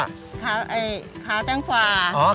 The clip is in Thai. ขาวแตงกวา